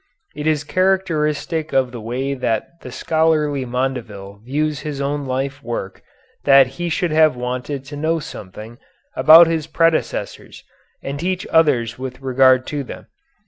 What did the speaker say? It is characteristic of the way that the scholarly Mondeville views his own life work that he should have wanted to know something about his predecessors and teach others with regard to them.